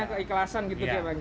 artinya keikhlasan gitu ya pak g